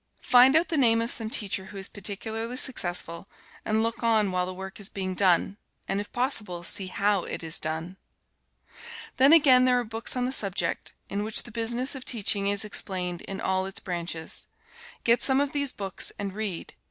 Find out the name of some teacher who is particularly successful, and look on while the work is being done, and if possible see how it is done. Then again, there are books on the subject, in which the business of teaching is explained in all its branches. Get some of these books and read.